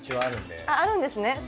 あっあるんですね